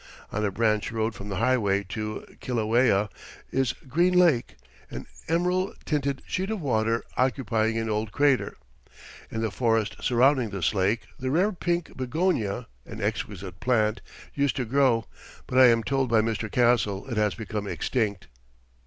On a branch road from the highway to Kilauea is Green Lake, an emerald tinted sheet of water occupying an old crater. In the forest surrounding this lake the rare pink begonia, an exquisite plant, used to grow, but I am told by Mr. Castle it has become extinct.